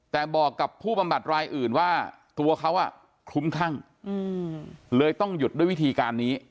แต่บอกกับผู้บำบัดรายอื่นว่าตัวเขาคลุ้มคลั่งเลยต้องหยุดด้วยวิธีการนี้